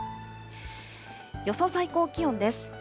予想最高気温です。